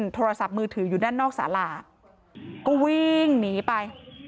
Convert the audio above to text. โทรศัพท์มือถืออยู่ด้านนอกสาลาก็วิ่งหนีไป